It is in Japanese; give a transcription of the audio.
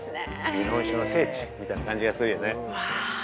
◆日本酒の聖地みたいな感じがするよね。